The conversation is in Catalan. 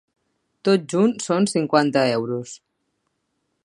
Tot junt, són cinquanta euros.